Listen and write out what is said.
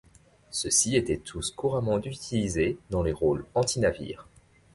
Ceux-ci étaient tous couramment utilisés dans les rôles anti-navires.